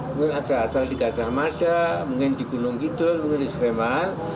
mungkin aja di gajah mada mungkin di gunung kidul mungkin di sreman